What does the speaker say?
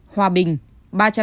hòa bình ba trăm chín mươi năm